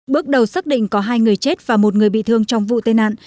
bước đầu xác định có hai người chết và một người bị thương trong vụ tai nạn